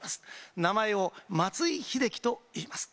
名前を松井秀喜といいます。